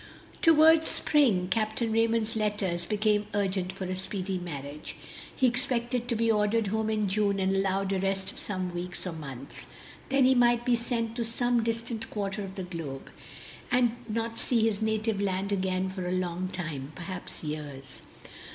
Toward spring Capt. Raymond's letters became urgent for a speedy marriage. He expected to be ordered home in June and allowed a rest of some weeks or months. Then he might be sent to some distant quarter of the globe, and not see his native land again for a long while, perhaps years.